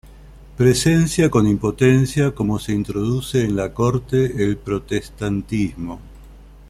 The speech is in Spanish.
Presencia con impotencia cómo se introduce en la corte el protestantismo.